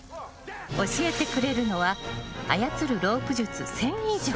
教えてくれるのは操るロープ術１０００以上。